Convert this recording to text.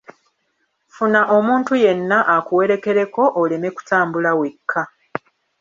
Ffuna omuntu yenna akuwerekereko oleme kutambula wekka.